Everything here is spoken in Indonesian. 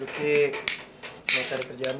luki mau cari kerjaan be